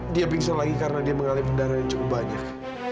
dia pingsan lagi karena dia mengalami pendana yang cukup banyak